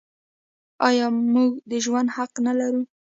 آیا موږ د ژوند حق نلرو؟